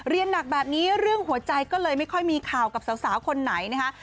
หนักแบบนี้เรื่องหัวใจก็เลยไม่ค่อยมีข่าวกับสาวคนไหนนะคะ